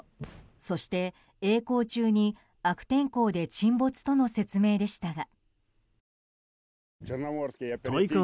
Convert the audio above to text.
そして、曳航中に悪天候で沈没との説明でしたが。